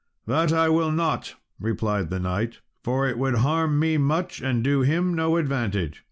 "That will I not," replied the knight, "for it would harm me much, and do him no advantage."